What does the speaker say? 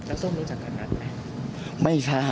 แล้วส้มรู้จักกันนะ